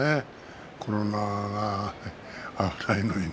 コロナが危ないのにね